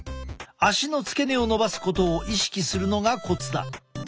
足の付け根をのばすことを意識するのがコツだ。